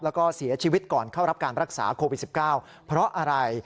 แล้วก็เสียชีวิตก่อนเข้ารับการรักษาโควิด๑๙เพราะอะไร